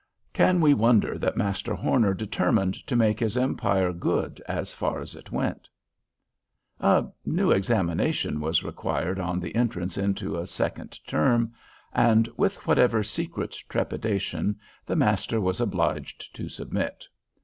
Can we wonder that Master Horner determined to make his empire good as far as it went? A new examination was required on the entrance into a second term, and, with whatever secret trepidation, the master was obliged to submit.